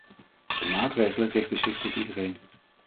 De maatregelen richten zich tot iedereen.